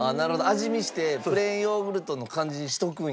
味見してプレーンヨーグルトの感じにしとくんや。